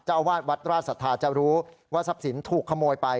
อาวาสวัดราชสัทธาจะรู้ว่าทรัพย์สินถูกขโมยไป